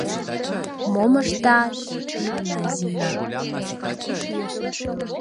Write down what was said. «Мом ышташ? — шона Зина.